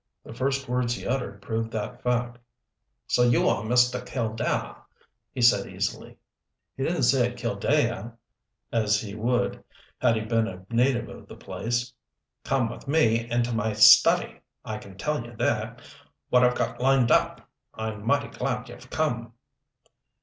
The first words he uttered proved that fact. "So you are Mr. Killdare," he said easily. He didn't say it "Killdaih," as he would had he been a native of the place. "Come with me into my study. I can tell you there what I've got lined up. I'm mighty glad you've come."